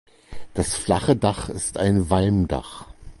Das flache Dach ist ein Walmdach.